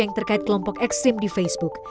yang terkait kelompok ekstrim di facebook